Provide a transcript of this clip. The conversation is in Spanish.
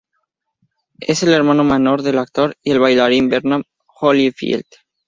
Es el hermano menor del actor y bailarín Bernard Holyfield.